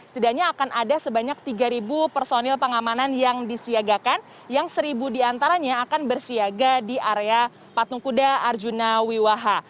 tidaknya akan ada sebanyak tiga personil pengamanan yang disiagakan yang seribu diantaranya akan bersiaga di area patung kuda arjuna wiwaha